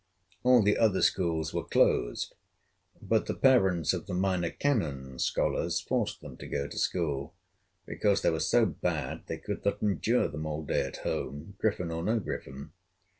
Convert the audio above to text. All the other schools were closed, but the parents of the Minor Canon's scholars forced them to go to school, because they were so bad they could not endure them all day at home, griffin or no griffin.